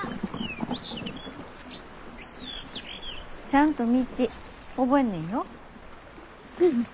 ちゃんと道覚えんねんよ。